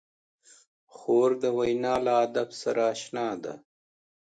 خور د وینا له ادب سره اشنا ده.